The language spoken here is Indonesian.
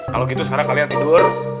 kalau gitu sekarang kalian tidur